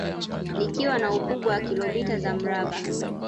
Likiwa na ukubwa wa kilomita za mraba